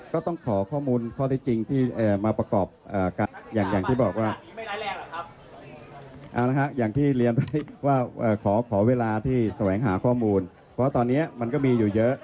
ก็ต้องขอข้อมูลข้อที่จริงที่มาประกอบอย่างที่เรียนไปว่าขอเวลาที่แสวงหาข้อมูลเพราะว่าตอนนี้มันก็มีอยู่เยอะ